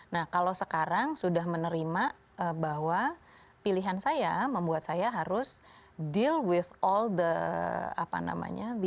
nah kalau sekarang sudah menerima bahwa pilihan saya membuat saya harus deal with all the apa namanya